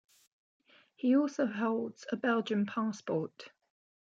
He also holds a Belgian passport.